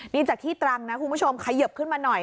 นี่จากที่ตรังนะคุณผู้ชมขยิบขึ้นมาหน่อย